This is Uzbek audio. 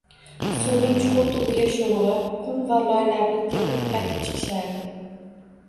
Suvning chuqur tubiga sho`ng`ib, qum va loylarni tepib, qaytib chiqishardi